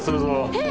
えっ！？